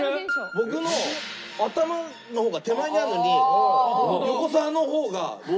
僕の頭の方が手前にあるのに横澤の方が見えてるんですよ。